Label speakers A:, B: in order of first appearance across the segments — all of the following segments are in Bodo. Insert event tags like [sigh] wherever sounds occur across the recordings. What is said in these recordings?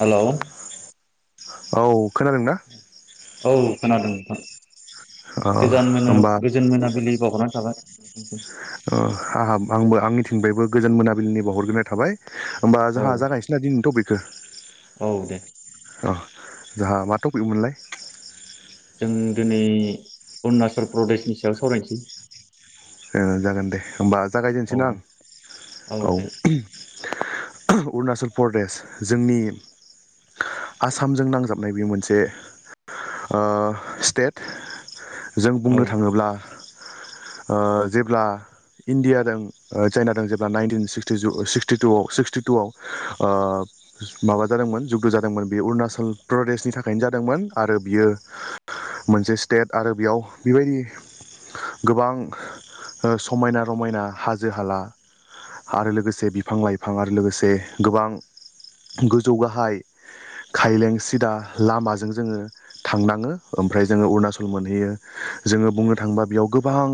A: हेलौ।
B: औ। खोनादों ना?
A: औ खोनादों नोंथां ‌।
B: ओ
A: गोजान मोनो
B: होमबा
A: गोजोन मोनाबिलि बावहरनाय थाबाय। नोंथांसिम।
B: ओ आहाब आंबो आंनि फिनबायबो गोजोन मोनाबिलिनि बावहरग्रोनाय थाबाय। होमबा
A: औ
B: जोंहा जागायनोसै दिनैनि ट'पिक जों।
A: औ दे।
B: अ जाहा मा टपिकमोनलाय?
A: जों दिनै अरुणचल प्रदेशनि सायाव सावरायनोसै।
B: ए जागोन दे होमबा जागायजेनसै
A: औ
B: ना औ। अरुणचल प्रदेश जोंनि आसामजों नांजाबनाय बेयो मोनसे ओ स्टेद। जों
A: औ
B: बुंनो थाङोब्ला ओ। जेब्ला इण्डिया दों चाइना दों जेब्ला नाइनटिन सिक्टिजु सिक्सटिटुआव सिक्सटिटुआव माबा जादोंमोन जुद्ध' जादोंमोन बेयो अरुणाचल प्रदेशनि थाखायनो जादोंमोन आरो बियो मोनसे स्टेट आरो बेयाव बेबायदि गोबां ओ समायना रमायना हाजो हाला आरो लोगोसे बिफां लाइफां आरो लोगोसे गोबां गोजौ गाहाय खायलें सिदा लामाजों जोङो थांनाङो ओमफ्राय जोङो अरुणाचल मोनहैयो। जोङो
A: औ
B: बुंनो थाङोब्ला बेयाव गोब बां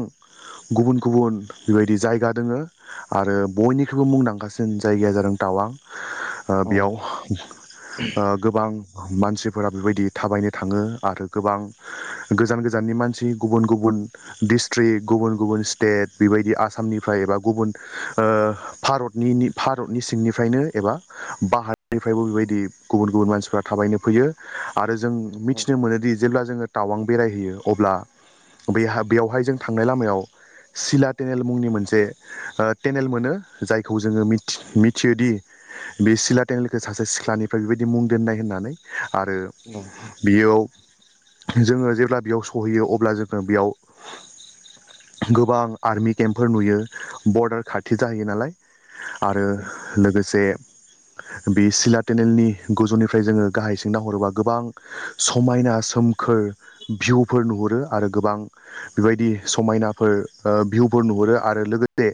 B: गुबुन गुबुन बेबायदि जायगा दोङो आरो बयनिख्रुइबो मुंदांखासिन जायगाया जादों टावां। ओ
A: औ
B: बेयाव ओ गोबां मानसिफोरा बेबायदि थाबायनो थाङो आरो गोबां गोजान गोजाननि मानसि गुबुन गुबुन दिस्थ्रिक गुबुन गुबुन स्टेट बेबायदि आसामनिफ्राय एबा गुबुन ओ भारतनिनि भारतनि सिंनिफ्रायनो एबा बाहारनिफ्रायबो बेबायदि गुबुन गुबुन मानसिफोरा थाबायनो फैयो। जों मिथिनो मोनोदि जेब्ला जोङो टावां बेरायहैयो अब्ला बे हा बेवहाय जोंङो थांनाय लामायाव सिला टेनेल मुंनि मोनसे टेनेल मोनो जायखौ जोङो मिथि मिथियोदि बि सिला टेनेलखो सासे सिख्लानि फ्राइ बेबायदि मुं दोन्नाय होननानै। आरो
A: औ
B: बियाव जोङो जेब्ला बेयाव सहैयो अब्ला जोङो बेयाव गोबां आर्मि केम्पफोर नुयो बरडार खाथि जाहैयो नालाय आरो
A: औ
B: लोगोसे बि सिला टेनेलनि गोजौनिफ्राय जोङो गाहाय सिं नाहरोबा गोबां समायना सोमखोर भिउफोर नुहरो आरो गोबां बेबायदि समायनाफोर भिउफोर नुहुरो आरो लोगोसे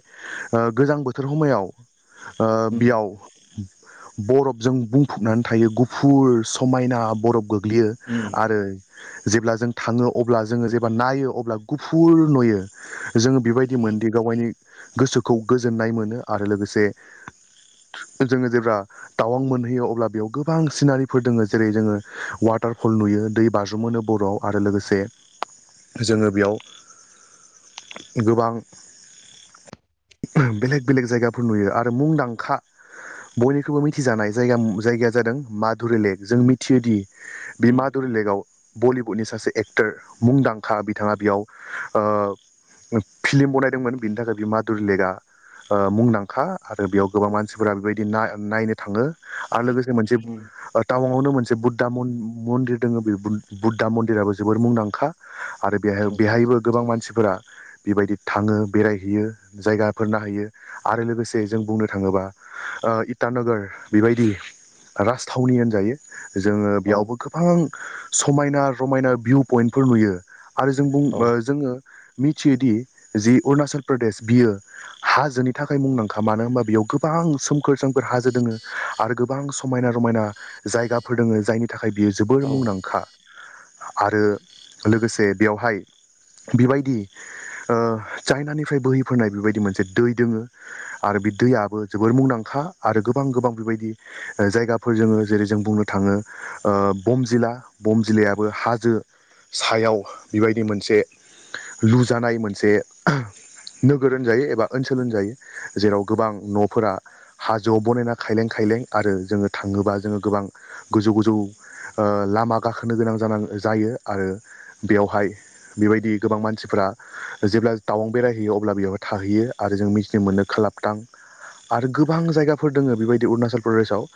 B: गोजां बोथोर हमयाव ओ
A: उम
B: बियाव बरफजों बुंफबनानै थायो गुफुर समायना बरफ गो ग्लियो
A: उम
B: आरो जेब्ला जों थाङो अब्ला जोङो जेब्ला नायो अब्ला गुफ पुल नुयो। जोङो बेबायदि
A: उम
B: मोनदि गावगायनि गोसोखौ गोजोननाय मोनो आरो लोगोसे जोङो जेब्ला टावां मोनहैयो अब्ला बेयाव गोबां सिनारिफोर दोङो जेरै जोंङो वाटार भल नुयो दै बाज्रुम होनो बर'आव आरो लोगोसे जोंङो बेयाव गोबां बेलेग बेलेग जायगाफोर नुयो आरो मुंदांखा बयनिख्रुइबो मिथिजानाय जायगाया जादों माधुरि लेक जों मिथियोदि बि
A: उम
B: माधुरि लेग आव बलिउबुडनि सासे एक्टर मुंदांखा बिथाङा बेयाव ओ फिलिम बनायदोंमोन बेनि थाखाय बे मादुर लेकआ ओ मुंदांखा आरो बेयाव गोबां मानसिफोरा बेबायदि ना-नायनो थांङो। आरो लोगोसे मोनसे
A: उम
B: टावांङावनो मोनसे से बुद्धा मन मन्दिर दङ बे बुद्धा मन्दिराबो जोबोर मुंदांखा। आरो बेहाय
A: औ
B: बेहायबो गोबां मानसिफोरा बेबायदि थाङो बेरायहैयो जायगाफोर नायहैयो आरो लोगोसे जों बुंनो थाङोबा इटानगर बेबायदि राजथावनि होनजायो। जोङो
A: औ
B: बेयावबो गोबां समायना रमायना भिउ पइन्टफोर नुयो आरो जों बुं
A: औ
B: बा जोङो मिथियोदि जि अरुणाचल प्रदेश बियो हाजोनि थाखाय मुंदांखा मानो होनबा बेयाव गोबां सोमखोर सोमखोर हाजो दोङो। आरो गोबां समायना रमायना जायगाफोर दोङो जायनि थाखाय बियो जोबोर
A: औ
B: मुंदांखा। आरो लोगोसे बेयावहाय बेबायदि ओ चाइनानिफ्राय बोहैफोनाय बेबायदि मोनसे दै दोङो आरो बे दैयाबो जोबोर मुंदांखा आरो गोबां गोबां बेबायदि जायगाफोर दोङो जेरै जों बुंनो थाङो बमजिला बमजिलायाबो हाजो सायाव बेबायदि मोन से लुजानाय मोनसे नोगोर होनजायो एबा ओनसोल होनजायो जेराव गोबां न'फोरा हाजोआव बनायना खायलें खायलें आरो जोङो थाङोबा जोङो गोबां गोजौ गोजौ ओ लामा गाखोनो गोनां जानां जायो आरो बेयावहाय बेबायदि गोबां मानसिफोरा जेब्ला टावां बेरायहैयो अब्ला बेवहाय थाहैयो आरो जों मिथिनो मोनो खोलाबथां आरो गोबां जायगाफोर दङो बेबायदि अरुनाचल प्रदेशाव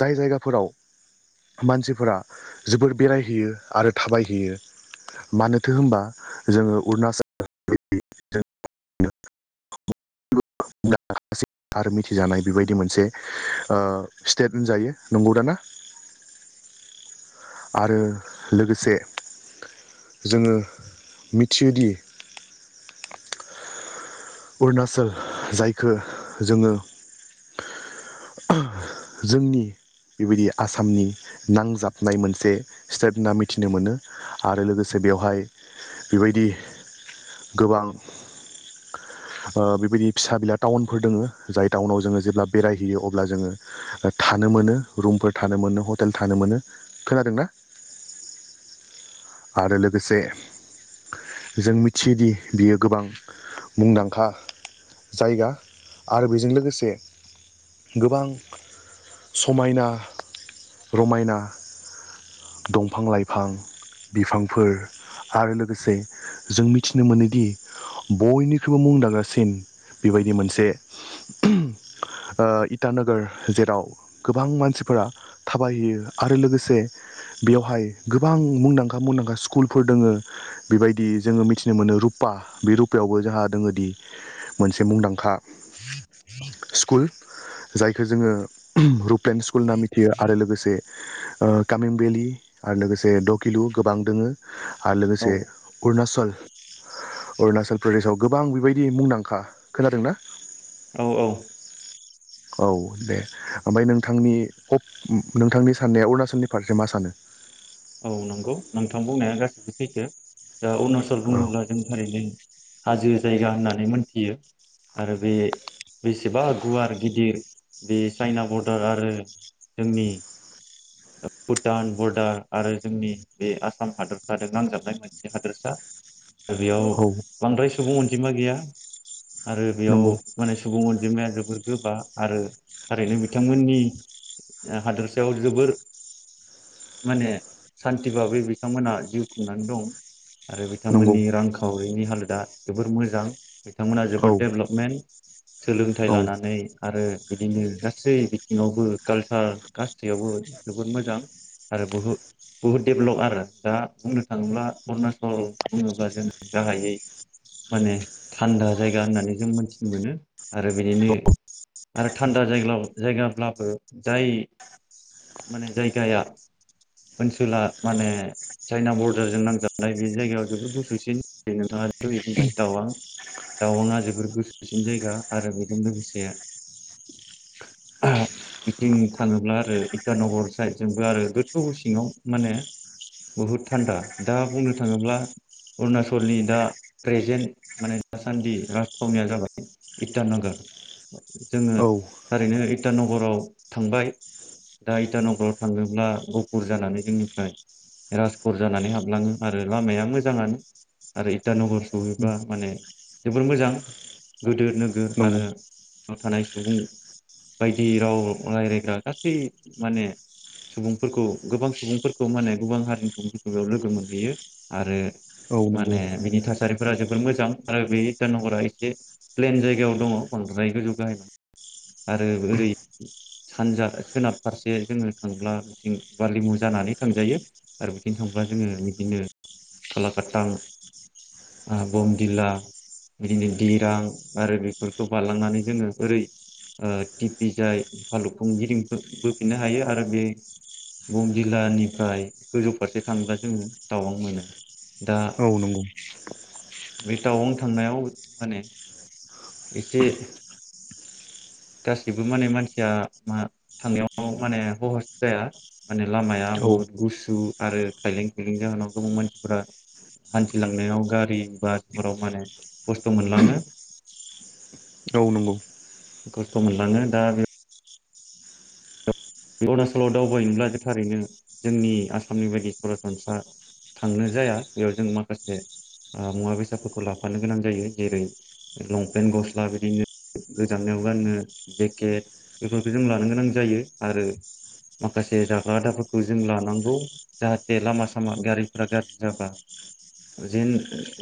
B: जाय जायगाफोराव मानसिफोरा जोबोर बेरायहैयो आरो थाबायहैयो। मानोथो हमबा जोङो अरुणचल [inaudible] आरो मिथिजानाय बेबायदि मोनसे ओ स्टेट होनजायो नंगौदा ना? आरो लोगोसे जोङो मिथियोदि अरुनाचल जायखौ जोङो जोंनि बेबायदि आसामनि नांजाब नाय मोनसे स्टेप होनना मिथिनो मोनो आरो लोगोसे बेवहाय बेबायदि गोबां ओ बेबायदि फिसा बिला टाउनफोर दङो जाय टाउनाव जोङो जेब्ला बेरायहैयो अब्ला जोङो थानो मोनो रुमफोर थानो मोनो हटेल थानो मोनो। खोनादोंना? आरो लोगोसे जों मिथियोदि बियो गोबां मुंदांखा जायगा आरो बेजों लोगोसे गोबां समायना रमायना दंफां लाइफां बिफांफोर आरो लोगोसे जों मिथिनो मोनोदि बयनिख्रुइबो मुंदांखासिन बेबायदि मोनसे इटानगोर जेराव गोबां मानसिफोरा थाबायहैयो आरो लोगोसे बेयावहाय गोबां मुंदांखा खा मुंदांखा स्कुलफोर दोंङो बेबायदि जोंङो मिथिनो मोनो रुपा बे रुपायावबो जोंहा दङोदि मोनसे मुंदांखा स्कुल जायखौ जोंङो रुप्लेन स्कुल होनना मिथियो आरो लोगोसे कामिं भेलि आरो लोगोसे दकिलु। गोबां दोंङो। आरो
A: औ
B: लोगोसे अरुनाचल अरुणाचल प्रदेशआव गोबां बेबायदि मुंदांखा खोनादोंना?
A: औ औ।
B: औ दे ओमफ्राय नोंथांनि नोंथांनि साननाया अरुणाचलनि फारसे मा सानो?
A: औ नंगौ नोंथां बुंनाया गाससिबो सैथो। दा अरुणाचल
B: औ
A: बुंङोब्ला जों थारैनो हाजो जायगा होननानै मोनथियो। आरो बे बेसेबा गुवार गिदिर। बे चाइना बरडार आरो जोंनि भुटान बरडार आरो जोंनि बे आसाम हादरसाद नांजाबनाय मोनसे हादोरसा। आरो बेयाव
B: औ
A: बांद्राय सुबुं अन जमा गैया। आरो बेयाव
B: नंगौ
A: माने सुबुं अनजिमाया जोबोर गोबा आरो थारैनो बिथांमोननि हादोरसायाव जोबोर माने सान्थि भाबै बिथांमोनहा जिउ खुंनानै दं। आरो
B: नंगौ
A: बिथांमोननि रांखावरिनि हालोद दा जोबोर मोजां। बिथांमोना जोबोद
B: औ
A: दडेभलपमेन्ट सोलोंथाइ
B: औ
A: लानानै आरो बिदिनो गासै बिथिंङावबो काल्सार गासैङावबो जोबोद मोजां आरो बहु-बहु हुद डेभलप आरो दा बुंनो थांङोब्ला अरुणाचल बुंङोब्ला जों गाहायै माने थान्दा जायगा होननानै जों मोन्थिनो मोनो आरो बिनिनो आरो थान्दा जायग्लाव जायगाब्लाबो जाय माने जायगाया ओनसोला माने चाइना बरडारजों नांजाबानाय बे जायगायाव जोबोद गुसुसिन जायो नोंथाङा दुबिफोरनिफाय दाउआ दावन हादोरफोर गोसोसिन जायगा आरो बेजों लोगोसे बिथिं थांङोब्ला आरो इटानगर साइद जोंबो आरो गोथौ सिङाव माने बुहुद थान्दा दा बुंनो थांङोब्ला अरुणचलनि दा प्रेजेन्ट माने दासान्दि राजथावनिया जाबाय इटानगर जोंङो
B: औ
A: थारैनो इतानगराव थांबाय दा इटानगराव थांङोब्ला गफुर जानानै जोंनिफ्राय राजगर जानानै हाबलाङो आरो लामाया मोजाङानो आरो इटानगर सहैब्ला माने जोबोर मोजां गोदोर नोगोर
B: नंगौ
A: आरो थानाय सुबुं बायदि राव रायज्लायग्रा गासै माने सुबुंफोरखौ गोबां सुबुंफोरखौ माने गोबां हारिनि सुबुंफोरखौ बेयाव लोगो मोनहैयो आरो
B: औ नंगौ
A: माने बिनि थासारिफोरा जोबोर मोजां आरो बे इटानगरा एसे प्लेन जायगायाव दङ बांद्राय गोजौ गाहाय नंङा आरो ओरै सानजा सोनाब फारसे जोङो थांब्ला बिथिं बालिमु जानानै थांजायो आरो बिथिं थांब्ला जोङो बिदिनो खालाकाटां बमदिला बिदिनो दिरां आरो बेफोरखौ बारलांनानै जोङो ओरै ओ टिपि जाय फालु फुंगिं बो-बो फिनो हायो आरो बे बुम जिल्लानिफ्राय गोजौ फारसे थाङोब्ला जोङो टावां मोनो दा
B: औ नंगौ
A: बे टावां थांनायाव माने एसे गासैबो माने मानसिया मा थांनायाव माने हहस जाया माने लामाया
B: औ
A: बुहुद गुसु आरो खायलें खैलें जाहोनाव गोबां मानसिफोरा हान्थिलांनायाव गारि बासफोराव माने खस्थ' मोनलाङो।
B: औ नंगौ
A: खस्थ' मोनलाङो दा बे बे अरुणाचलाव दावबायनोब्ला जों थारैनो जोंनि आसामनि बायदि सरासनस्रा थांनो जाया बेयाव जों माखासे ओ मुवा बेसादफोरखौ लाफानो गोनां जायो जेरै लंपेन्ट गस्ला बिदिनो गोजांनायाव गाननो जेकेट बेफोरखौ जों लानो गोनां जायो। आरो माखासे जाग्रा आदाफोरखौ जों लानांगौ जाहाथे लामा सामा गारिफ्रा गाज्रि जाबा जेन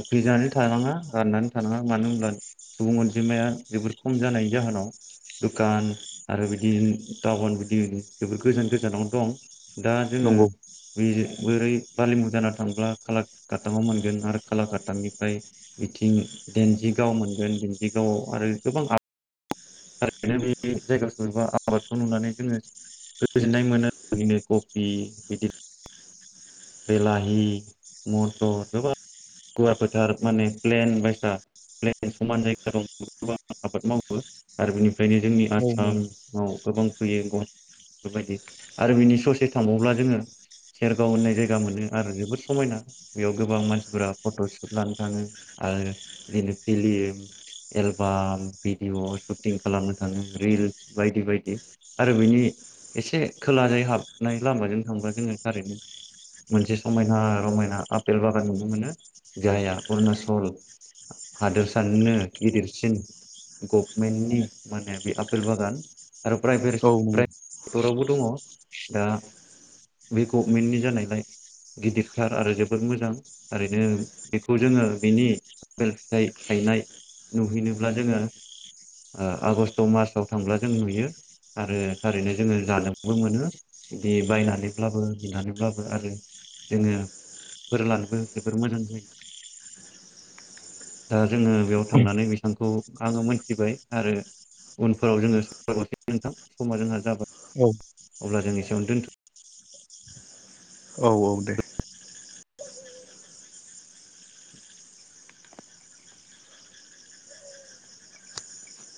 A: उखैजानै थानाङा राननानै थानाङा मानो होनब्ला सुबुं अनजिमाया जोबोर खम जानायनि जाहोनाव दुखान आरो बिदि टाउन जोबोर गोजान गोजानाव दं। दा जोङो
B: नंगौ
A: बे बोरै बालिमुं जाना थांब्ला खालाकाटाङाव मोनगोन आरो खालाकाटांनिफ्राय बिथिं देन्जिगाव मोनगोन दन्जिगावआव आरो गोबां आबाद [unintelligible] थारैनो बे आबादखौ नुनानै जोङो गोजोननाय मोनो बिनो कफि बिदि बेलाहि मथर गोबां गुवार फोथार माने प्लेन बायसा प्लेन समान जायगा दं गोबां आबाद मावो आरो बिनि खायनो जोंनि
B: औ नंगौ
A: आसामाव गोबां फैयो [unintelligible] बायदि आरो बिनि ससे थांबाव्ला जोङो सेरगाव होननाय जायगा। गा मोनो आरो जोबोर समायना बेयाव गोबां मानसिफोरा फट' सुट लानो थाङो आरो बिदिनो फिलिम एलबाम भिडिअ' सुटिं खालामनो थाङो रिल्स बायदि बायदि आरो बिनि एसे खोला जै हाबनाय लामाजों थांबा जोङो थारैनो मोनसे समायना रमायना आपेल बागान नुनो मोनो जायहा अरुणाचल हादोरसानिनो गिदिरसिन गभमेन्टनि माने बे आपेल बागान आरो प्राइभे
B: औ नंगौ
A: प्राइभेटरावबो दङ दा बे गभमेन्टनि जानायलाय गिदिरथार आरो जोबोद मोजां ओरैनो बेखौ जोङो बेनि आपेल फिथाइ थायनाय नुहैनोब्ला जोङो आगष्ट मार्चाव थांब्ला जों नुयो आरो थारैनो जोङो जानोबो मोनो बिदि बायनानैब्लाबो बिनानैब्लाबो आरो जोङो फोर लानोबो जोबोर मोजां जायो दा जोङो बेयाव थांनानै बिसांखौ आङो मोनथिबाय आरो उनफोराव जोङो सावराबावनोसै नोंथां समा जोंहा जाबाय।
B: औ
A: अब्ला जों एसेयावनो दोनथ'।
B: औ औ दे।